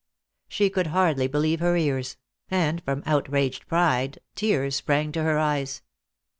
She could hardly believe her ears; and from outraged pride tears sprang to her eyes.